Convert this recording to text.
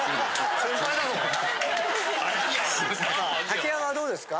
竹山はどうですか？